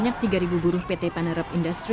kami buah kami buah